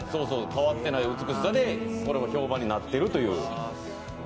変わってない美しさで、これも評判になっているという。